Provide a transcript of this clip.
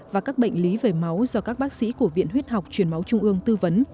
và các bệnh lý về máu do các bác sĩ của viện huyết học truyền máu trung ương tư vấn